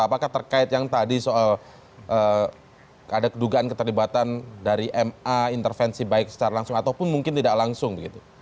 apakah terkait yang tadi soal ada kedugaan keterlibatan dari ma intervensi baik secara langsung ataupun mungkin tidak langsung begitu